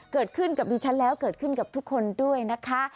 เกิดขึ้นกับดิฉันแล้วเกิดขึ้นกับทุกคนด้วยนะคะ